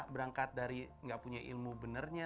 berangkat dari nggak punya ilmu benarnya